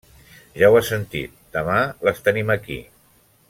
Ja ho has sentit, demà les tenim aquí.